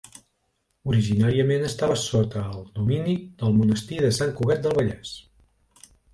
Originàriament estava sota el domini del monestir de Sant Cugat del Vallès.